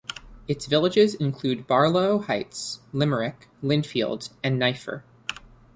Its villages include Barlow Heights, Limerick, Linfield, and Neiffer.